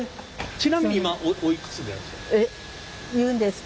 ちなみに今おいくつでいらっしゃいますか？